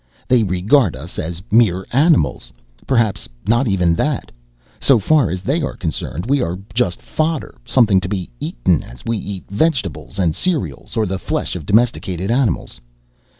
They regard us as mere animals, perhaps not even that. So far as they are concerned we are just fodder, something to be eaten as we eat vegetables and cereals or the flesh of domesticated animals.